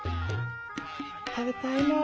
食べたいなあ。